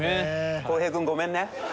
洸平君ごめんね。